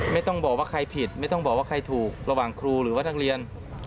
ไม่ต้องบอกว่าใครผิดไม่ต้องบอกว่าใครถูกระหว่างครูหรือว่านักเรียน